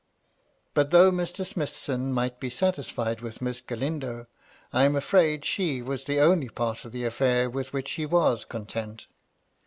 '* But though Mr. Smithson might be satisfied with Miss Galindo, I am afraid she was the only part of the affair with which he was content.